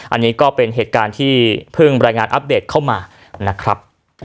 อันนี้ก็เป็นเหตุการณ์ที่เพิ่งรายงานอัปเดตเข้ามานะครับ